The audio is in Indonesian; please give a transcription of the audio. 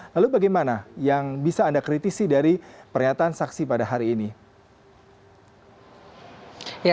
lalu bagaimana yang bisa anda kritisi dari pernyataan saksi pada hari ini